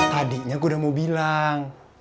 tadinya gue udah mau bilang